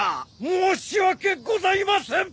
申し訳ございません！！